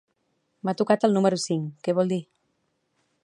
M'ha tocat el número cinc, què vol dir?